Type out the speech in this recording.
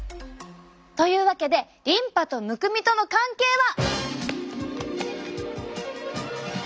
というわけでリンパとむくみとの関係は。